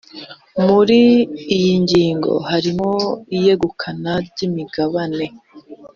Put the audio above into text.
muri iyi ngingo harimo iyegukana ry’imigabane